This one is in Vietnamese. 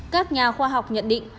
các nhà khoa học nhận định